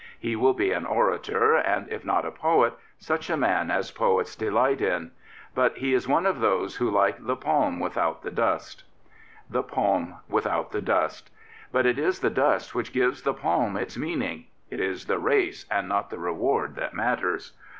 He will be an orator, and, if not a poet, such a man as poets delight in. But he is one of those who like the palm without the dust."' " The palm without the dust." But it is the dust which gives the palm its meaning; it is the race and not the reward that matters.